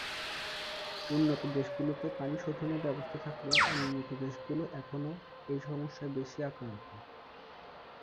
উন্নত দেশগুলোতে পানি শোধণের ব্যবস্থা থাকলেও অনুন্নত দেশগুলো এখনো এই সমস্যায় বেশি আক্রান্ত।